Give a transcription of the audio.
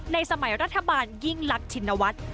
สมัยรัฐบาลยิ่งลักชินวัฒน์